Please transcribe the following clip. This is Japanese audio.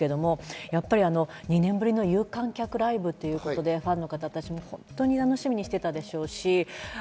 やっぱり２年ぶりの有観客ライブということでファンの方たちも本当に楽しみにしていたでしょうし。